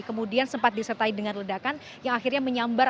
kemudian sempat disertai dengan ledakan yang akhirnya menyambar